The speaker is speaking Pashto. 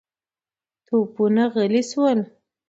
توپونه غلي شول.